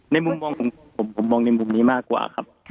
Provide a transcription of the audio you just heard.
มุมมองผมมองในมุมนี้มากกว่าครับ